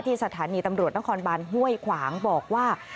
สถานีตำรวจนครบานห้วยขวางบอกว่า